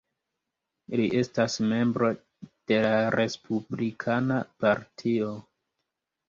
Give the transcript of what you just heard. Li estas membro de la Respublikana Partio.